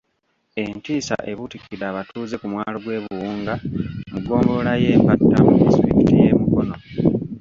Entiisa ebuutikidde abatuuze ku mwalo gw'e Buwunga mu ggombolola y'eMpatta mu disitulikiti ye Mukono.